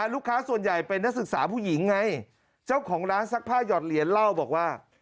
ลูกค้าส่วนใหญ่เป็นนักศึกษาผู้หญิงไงเจ้าของร้านซักผ้าหยอดเหรียญเล่าบอกว่า